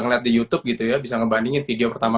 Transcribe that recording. ngelihat di youtube gitu ya bisa ngebandingin video pertama